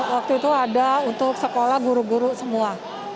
waktu itu ada untuk sekolah guru guru semua